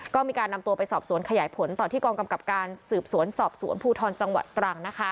ก็มีการนำตัวไปสอบสวนขยายผลต่อที่กองกำกับการสืบสวนสอบสวนภูทรจังหวัดตรัง